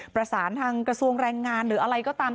ประสานทางกระทรวงแรงงานหรืออะไรก็ตาม